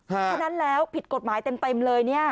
เพราะฉะนั้นแล้วผิดกฎหมายเต็มเลยเนี่ย